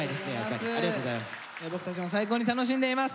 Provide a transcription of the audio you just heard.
僕たちも最高に楽しんでいます。